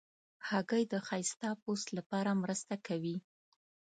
هګۍ د ښایسته پوست لپاره مرسته کوي.